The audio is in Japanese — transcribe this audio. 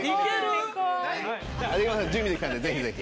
今田さん準備できたんでぜひぜひ。